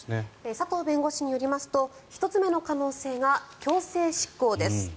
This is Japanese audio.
佐藤弁護士によりますと１つ目の可能性が強制執行です。